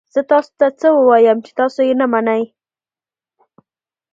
زه تاسو ته څه ووایم چې تاسو یې نه منئ؟